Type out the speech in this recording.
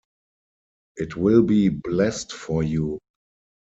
It will be blessed for you.